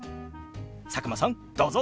佐久間さんどうぞ！